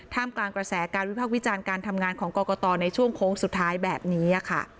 กลางกระแสการวิพากษ์วิจารณ์การทำงานของกรกตในช่วงโค้งสุดท้ายแบบนี้ค่ะ